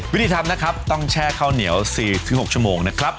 วิธีทำนะครับต้องแช่ข้าวเหนียว๔๖ชั่วโมงนะครับ